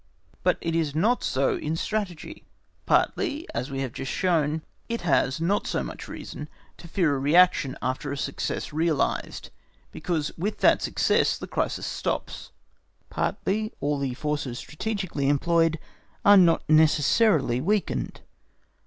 But it is not so in Strategy. Partly, as we have just shown, it has not so much reason to fear a reaction after a success realised, because with that success the crisis stops; partly all the forces strategically employed are not necessarily weakened.